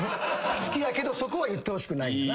好きやけどそこは言ってほしくないよな。